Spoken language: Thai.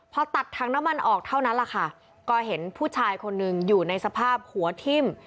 พอตัดถังน้ำมันออกเท่านั้นแหละค่ะก็เห็นผู้ชายคนหนึ่งอยู่ในสภาพหัวทิ่ม